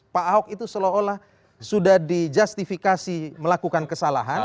pak ahok itu seolah olah sudah dijustifikasi melakukan kesalahan